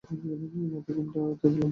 মাথায় ঘোমটা, তাই বললাম।